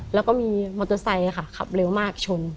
แล้วก็มีมอเตอร์ไซค์ค่ะขับเร็วมากชน